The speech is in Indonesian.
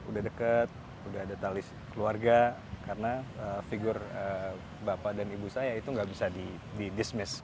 udah deket udah ada talis keluarga karena figur bapak dan ibu saya itu nggak bisa di dismis